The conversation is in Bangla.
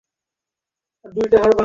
অর্থাৎ চলন্ত অবস্থায় সময় ধীরে চলে।